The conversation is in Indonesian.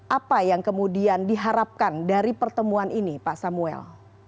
apa yang kemudian diharapkan dari pertemuan ini pak samuel